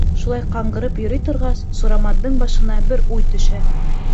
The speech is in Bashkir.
Шулай ҡаңғырып йөрөй торғас, Сурамандың башына бер уй төшә.